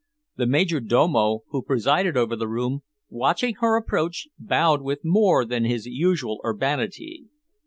The major domo who presided over the room, watching her approach, bowed with more than his usual urbanity.